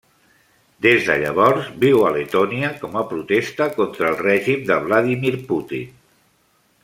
Des de llavors, viu a Letònia com a protesta contra el règim de Vladímir Putin.